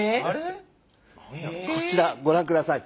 こちらご覧ください。